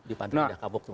di pantindah kapok